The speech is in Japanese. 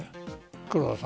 黒田さん。